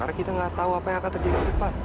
karena kita nggak tahu apa yang akan terjadi di depan